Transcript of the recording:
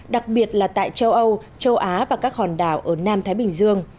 đặc biệt là tại châu âu châu á và các hòn đảo ở nam thái bình dương